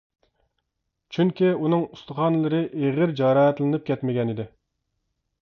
چۈنكى ئۇنىڭ ئۇستىخانلىرى ئېغىر جاراھەتلىنىپ كەتمىگەنىدى.